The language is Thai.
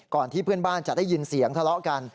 ที่เพื่อนบ้านจะได้ยินเสียงทะเลาะกัน